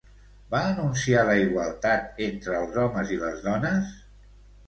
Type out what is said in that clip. Va anunciar la igualtat entre els homes i les dones?